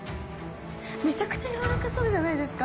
めちゃくちゃやわらかそうじゃないですか。